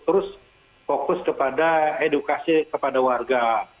terus fokus kepada edukasi kepada warga